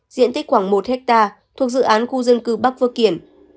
diện tích khoảng một ha thuộc dự án khu dân cư bắc phước kiển